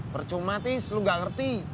percuma tis lo nggak ngerti